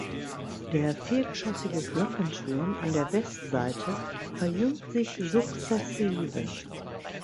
Der viergeschossige Glockenturm an der Westseite verjüngt sich sukzessive.